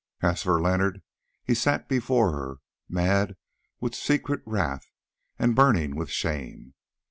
As for Leonard, he sat before her, mad with secret wrath and burning with shame.